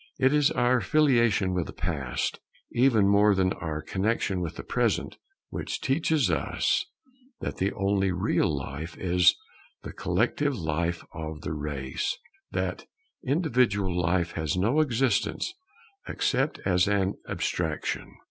It is our filiation with the Past, even more than our connexion with the Present, which teaches us that the only real life is the collective life of the race; that individual life has no existence except as an abstraction.